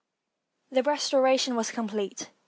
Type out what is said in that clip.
] The restoration was complete.